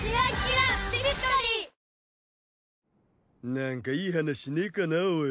なんかいい話ねえかなおい。